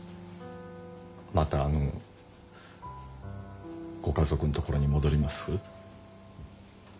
またあのご家族のところに戻ります？